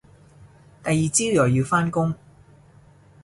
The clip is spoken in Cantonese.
第二朝又要返工